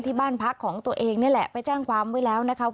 ที่บ้านพักของตัวเองนี่แหละไปแจ้งความไว้แล้วนะคะ